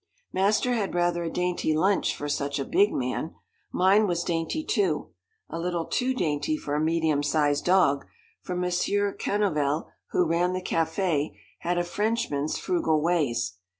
Master had rather a dainty lunch for such a big man. Mine was dainty too a little too dainty for a medium sized dog for Monsieur Canovel, who ran the café, had a Frenchman's frugal ways.